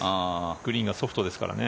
グリーンがソフトですからね。